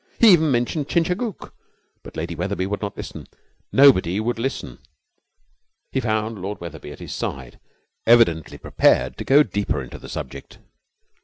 He even mentioned Chingachgook. But Lady Wetherby would not listen. Nobody would listen. He found Lord Wetherby at his side, evidently prepared to go deeper into the subject.